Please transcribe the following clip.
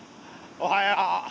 おはよう。